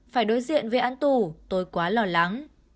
phải đối diện với án tù tôi quá lo lắng